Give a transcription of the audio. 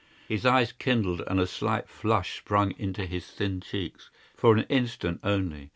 His eyes kindled and a slight flush sprang into his thin cheeks. For an instant only.